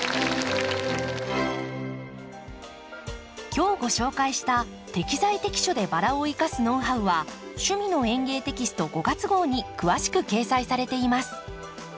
今日ご紹介した適材適所でバラを生かすノウハウは「趣味の園芸」テキスト５月号に詳しく掲載されています。